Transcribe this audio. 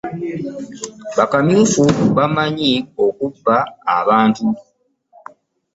Ba kamyufu bamanyi okubba abantu.